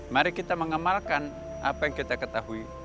mari kita mengamalkan apa yang kita ketahui